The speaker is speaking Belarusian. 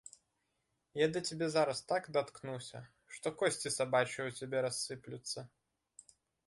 Я да цябе зараз так даткнуся, што косці сабачыя ў цябе рассыплюцца!